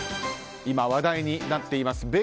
今、話題になっています